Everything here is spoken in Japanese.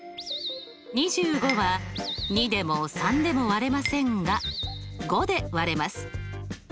２５は２でも３でも割れませんが５で割れます。